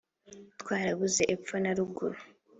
twarabuze epfo na ruguru